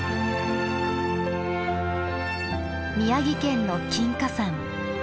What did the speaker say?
宮城県の金華山。